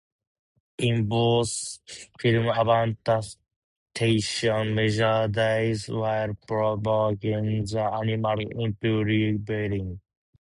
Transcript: In both film adaptations, Major dies while provoking the animals into rebelling.